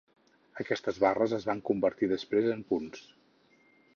Aquestes barres es van convertir després en punts.